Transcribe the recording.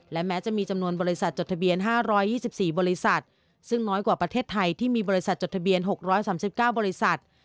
และแม้จะมีจำนวนบริษัทจดทะเบียน๕๒๔บริษัทซึ่งน้อยกว่าประเทศไทยที่มีบริษัทจดทะเบียน๖๓๙บริษัท